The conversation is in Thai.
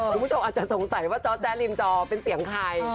คุณผู้ชมอาจจะสงสัยว่าจอร์ดแจ๊ริมจอเป็นเสียงใคร